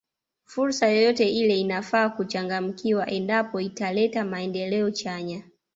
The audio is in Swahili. Fursa yoyote ile inafaa kuchangamkiwa endapo italeta maendeleo chanya